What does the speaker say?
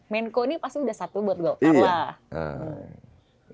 menko ini pasti udah satu buat golkar lah